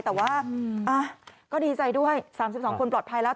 แต่ว่าก็ดีใจด้วย๓๒คนปลอดภัยแล้ว